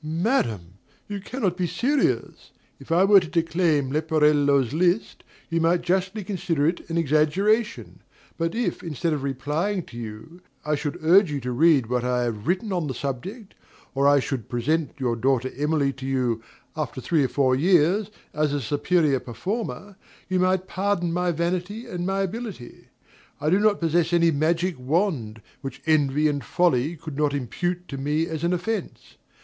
DOMINIE. Madam, you cannot be serious. If I were to declaim Leporello's list, you might justly consider it an exaggeration; but if, instead of replying to you, I should urge you to read what I have written on the subject, or if I should present your daughter Emily to you, after three or four years, as a superior performer, you might pardon my vanity and my ability. I do not possess any magic wand, which envy and folly could not impute to me as an offence.